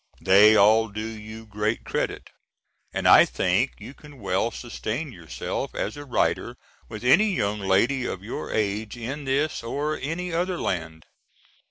They all do you great credit, and I think you can well sustain yourself as a writer with any young lady of your age in this or any other land.